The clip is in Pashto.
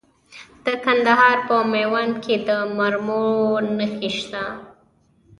د کندهار په میوند کې د مرمرو نښې شته.